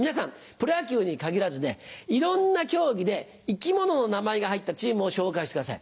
プロ野球に限らずいろんな競技で生き物の名前が入ったチームを紹介してください。